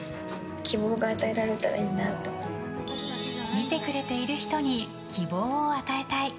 見てくれている人に希望を与えたい。